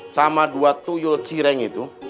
sama dua tuyul cireng itu